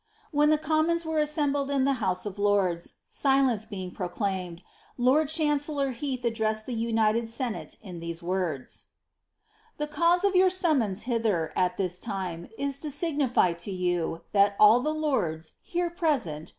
When the commons were assembled in the House of Lords, silence being proclaimed, lord chan cellor Heath addressed the united senate in these words :— •*Tbe cause of your siimnions hither, at this time, is to signify to you, that all the lonK here proKMit.